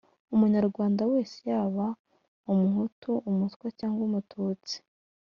umunyarwanda wese yaba umuhutu, umutwa cyanga umututsi